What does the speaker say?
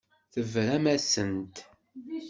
Tebram-asent.